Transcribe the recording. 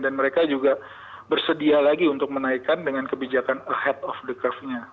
dan mereka juga bersedia lagi untuk menaikan dengan kebijakan ahead of the curve